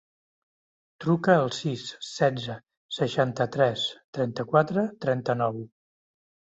Truca al sis, setze, seixanta-tres, trenta-quatre, trenta-nou.